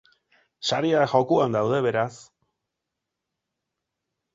Sariak jokoan daude, beraz.